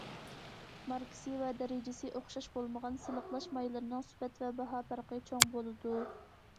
ماركىسى ۋە دەرىجىسى ئوخشاش بولمىغان سىلىقلاش مايلىرىنىڭ سۈپەت ۋە باھا پەرقى چوڭ بولىدۇ.